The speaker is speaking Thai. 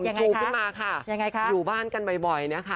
อย่างไรคะอยู่บ้านกันบ่อยนะคะ